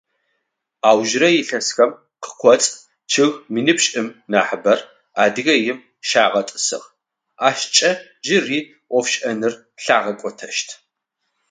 Аужырэ илъэсхэм къакӏоцӏ чъыг минипшӏым нахьыбэр Адыгеим щагъэтӏысыгъ, ащкӏэ джыри ӏофшӏэныр лъагъэкӏотэщт.